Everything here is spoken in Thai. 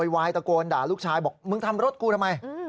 วายตะโกนด่าลูกชายบอกมึงทำรถกูทำไม